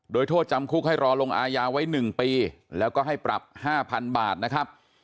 โดยโทษจำคุกให้รอลงอายาไว้๑ปีแล้วก็ให้ปรับ๕๐๐๐บาทนะครับ